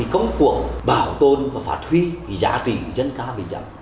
công cụ bảo tồn và phát huy giá trị dân ca ví giảm